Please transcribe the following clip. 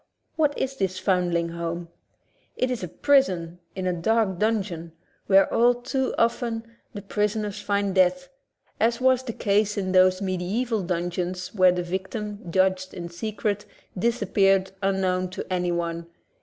What is this foundling home? It is a prison in a dark dungeon, where all too often the prisoner finds death, as was the case in those mediaeval dungeons where the victim, judged in secret, disappeared unknown to anyone.